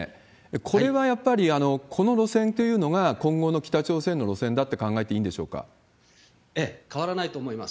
これはやっぱりこの路線っていうのが今後の北朝鮮の路線だって考変わらないと思います。